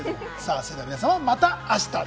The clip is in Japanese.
それでは皆様、また明日！